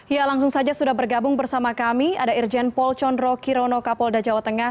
ya langsung saja sudah bergabung bersama kami ada irjen paul condro kirono kapolda jawa tengah